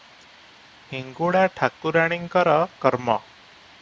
ହିଙ୍ଗୁଳା ଠାକୁରାଣୀଙ୍କର କର୍ମ ।"